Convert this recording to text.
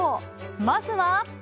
まずは。